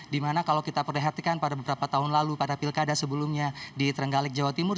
dimana kalau kita perhatikan pada beberapa tahun lalu pada pilkada sebelumnya di terenggalek jawa timur